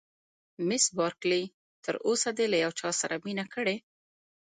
مس بارکلي: تر اوسه دې له یو چا سره مینه کړې؟